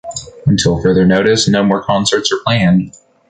Until further notice, no more concerts are planned.